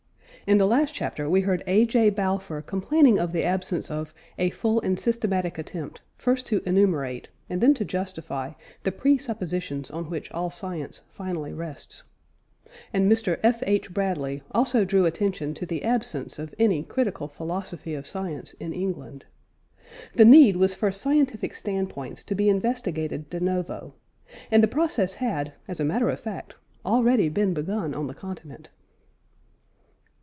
In the last chapter we heard A. J. Balfour complaining of the absence of "a full and systematic attempt, first to enumerate, and then to justify, the presuppositions on which all science finally rests." And Mr. F. H. Bradley also drew attention to the absence of any critical philosophy of science in England. The need was for scientific standpoints to be investigated de novo; and the process had, as a matter of fact, already been begun on the Continent.